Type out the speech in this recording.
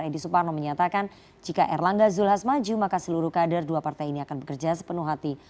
edi suparno menyatakan jika erlangga zulhas maju maka seluruh kader dua partai ini akan bekerja sepenuh hati